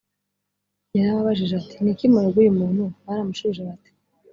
yarababajije ati ni iki murega uyu muntu baramushubije bati